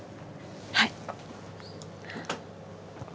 はい。